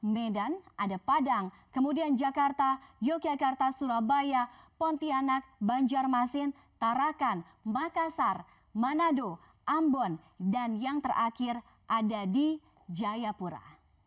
medan ada padang kemudian jakarta yogyakarta surabaya pontianak banjarmasin tarakan makassar manado ambon dan yang terakhir ada di jayapura